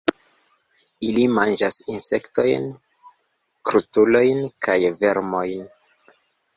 Ili manĝas insektojn, krustulojn kaj vermojn.